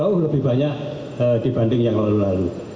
tapi itu lebih banyak dibanding yang lalu lalu